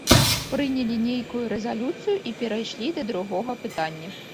Прынялі нейкую рэзалюцыю і перайшлі да другога пытання.